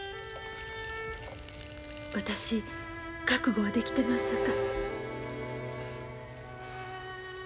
私覚悟はできてますさか。